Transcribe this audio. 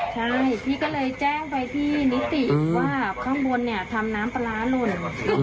ใช่พี่ก็เลยแจ้งไปที่นิติว่าข้างบนเนี่ยทำน้ำปลาร้าหล่น